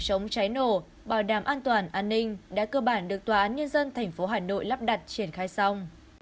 chống cháy nổ bảo đảm an toàn an ninh đã cơ bản được tòa án nhân dân tp hà nội lắp đặt triển khai xong